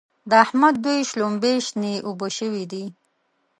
د احمد دوی شلومبې شنې اوبه شوې دي.